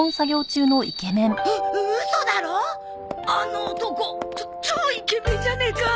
超イケメンじゃねえか！